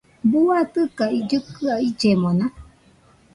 ¿Buu atɨka llɨkɨa illemona?